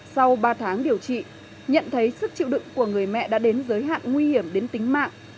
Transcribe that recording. sau ba tháng điều trị nhận thấy sức chịu đựng của người mẹ đã đến giới hạn nguy hiểm đến tính mạng